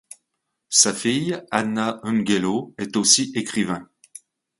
Sa fille Anna Ungelo est aussi écrivain.